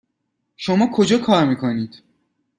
شما کجا کار میکنید؟